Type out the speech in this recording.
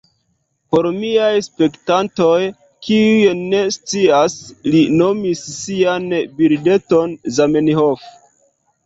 Por miaj spektantoj, kiuj ne scias... li nomis sian birdeton Zamenhof